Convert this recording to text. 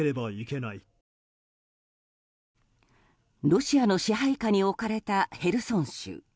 ロシアの支配下に置かれたヘルソン州。